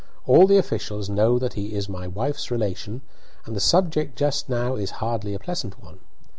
All the officials know that he is my wife's relation, and the subject just now is hardly a pleasant one.